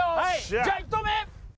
じゃあ一投目！